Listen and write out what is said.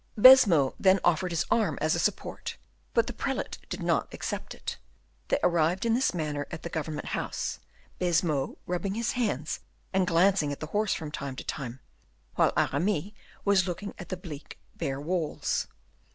Baisemeaux then offered his arm as a support, but the prelate did not accept it. They arrived in this manner at the government house, Baisemeaux rubbing his hands and glancing at the horse from time to time, while Aramis was looking at the bleak bare walls.